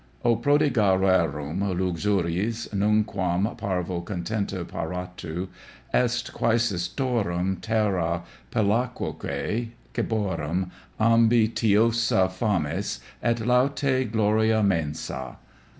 O prodiga rerum Luxuries, nunquam parvo contenta paratu, Est quaesitorum terra pelagoque ciborum Ambitiosa fames, et lautae gloria mensae.